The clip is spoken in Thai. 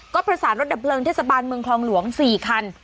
ก็ประสานรถดับเพลิงเทศบาลเมืองคลองหลวง๔คัน